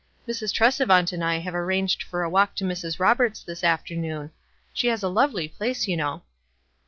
" Mrs. Tresevant and I have arranged for a walk to Mrs. Roberts' this afternoon. She has a lovely place, you know."